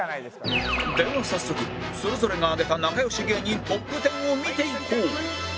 では早速それぞれが挙げた仲良し芸人トップ１０を見ていこう